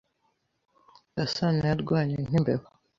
Gasana yarwanye nkimbeba.